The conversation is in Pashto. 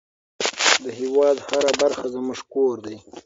د هېواد هره برخه زموږ کور دی.